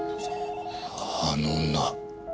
あの女。